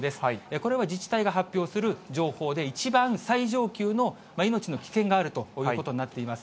これは自治体が発表する情報で、一番最上級の命の危険があるということになっています。